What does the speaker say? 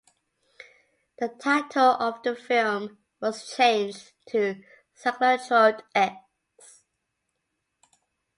The title of the film was changed to "Cyclotrode "X".